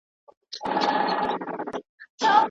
هغه د ښځو او نارينه وو ارقام راټول کړل.